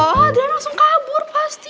oh dia langsung kabur pasti